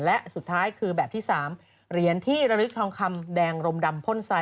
และสุดท้ายคือแบบที่๓เหรียญที่ระลึกทองคำแดงรมดำพ่นทราย